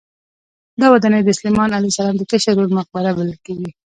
دا ودانۍ د سلیمان علیه السلام د کشر ورور مقبره بلل کېده.